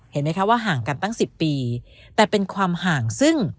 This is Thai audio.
เห็นไหมคะว่าห่างกันตั้ง๑๐ปีแต่เป็นความห่างซึ่ง